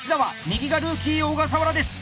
右がルーキー小笠原です。